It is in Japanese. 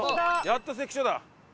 やっと関所だ。